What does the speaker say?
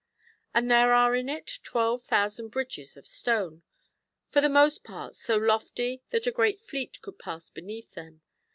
And there are in it twelve thousand bridges of stone, for the most part so lofty that a great fleet could pass beneath them.